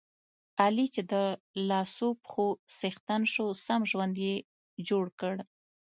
علي چې د لاسو پښو څښتن شو، سم ژوند یې جوړ کړ.